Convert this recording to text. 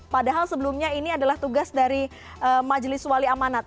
padahal sebelumnya ini adalah tugas dari majelis wali amanat